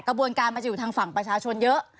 กระบวนการมันจะอยู่ทางฝั่งประชาชนเยอะ